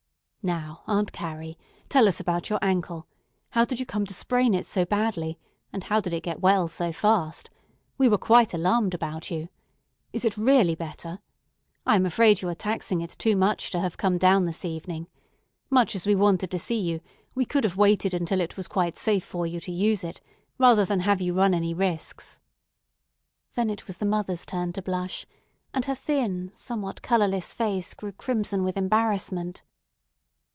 Now, Aunt Carrie, tell us about your ankle. How did you come to sprain it so badly, and how did it get well so fast? We were quite alarmed about you. Is it really better? I am afraid you are taxing it too much to have come down this evening. Much as we wanted to see you, we could have waited until it was quite safe for you to use it, rather than have you run any risks." Then it was the mother's turn to blush, and her thin, somewhat colorless face grew crimson with embarrassment.